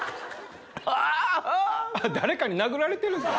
誰かに殴られてるんすか。